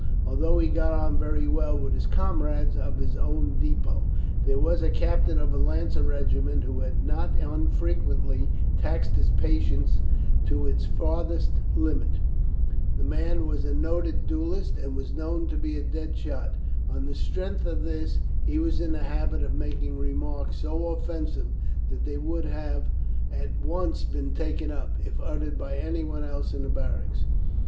Although he got on very well with his comrades of his own depôt, there was a captain of a lancer regiment who had not unfrequently taxed his patience to its farthest limit. The man was a noted duellist, and was known to be a dead shot. On the strength of this, he was in the habit of making remarks so offensive, that they would have at once been taken up, if uttered by anyone else in barracks.